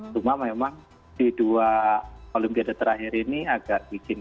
cuma memang di dua olimpiade terakhir ini agak bikin